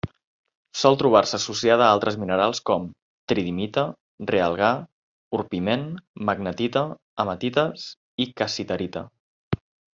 Sol trobar-se associada a altres minerals com: tridimita, realgar, orpiment, magnetita, hematites i cassiterita.